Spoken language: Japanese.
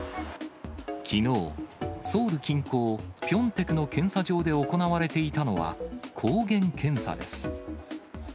きのう、ソウル近郊ピョンテクの検査場で行われていたのは抗原検査です。